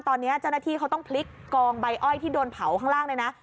ตอนนี้เจ้าหน้าที่เขาต้องพลิกกองใบอ้อยที่โดนเผาข้างล่างเลยนะ